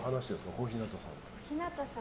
小日向さん